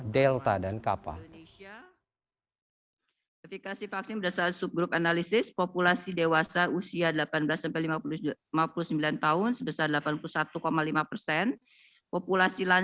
delta dan kappa